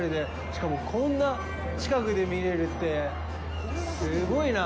しかも、こんな近くで見られるって、すごいな。